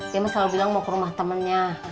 dia selalu bilang mau ke rumah temennya